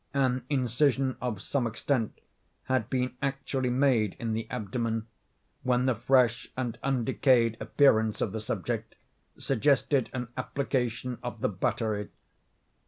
An incision of some extent had been actually made in the abdomen, when the fresh and undecayed appearance of the subject suggested an application of the battery.